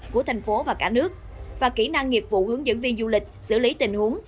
của thành phố và cả nước và kỹ năng nghiệp vụ hướng dẫn viên du lịch xử lý tình huống